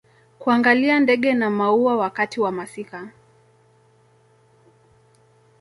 kuangalia ndege na maua wakati wa masika